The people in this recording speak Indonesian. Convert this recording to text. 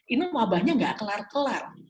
ini wabahnya nggak kelar kelar